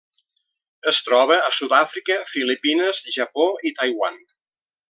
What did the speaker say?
Es troba a Sud-àfrica, Filipines, Japó i Taiwan.